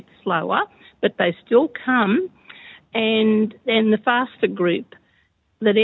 dan kita memiliki dua kumpulan